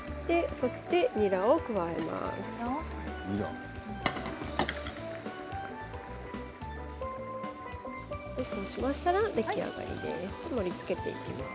そうしましたら出来上がりです。